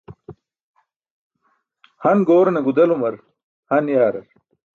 Han goorane gudelumar han yaarar.